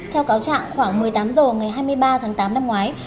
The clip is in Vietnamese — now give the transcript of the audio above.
theo cáo trạng khoảng một mươi tám h ngày hai mươi ba tháng tám năm ngoái